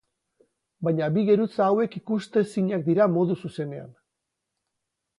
Baina bi geruza hauek ikustezinak dira modu zuzenean.